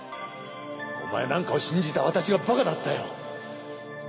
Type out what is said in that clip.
お前なんかを信じた私がバカだったよ。